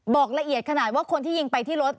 บอกละเอียดขนาดว่าคนที่ยิงไปที่รถ